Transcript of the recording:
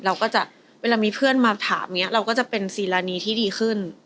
เราก็จะเวลามีเพื่อนมาถามอย่างนี้เราก็จะเป็นซีรานีที่ดีขึ้น